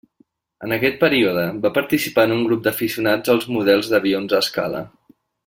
En aquest període, va participar en un grup d'aficionats als models d'avions a escala.